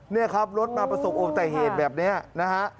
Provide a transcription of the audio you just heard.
นี่ครับรถมาประสบโอมแต่เหตุแบบนี้นะฮะ